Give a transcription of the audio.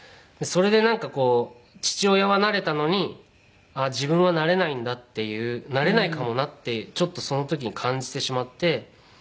それでなんかこう父親はなれたのに自分はなれないんだっていうなれないかもなってちょっとその時に感じてしまって。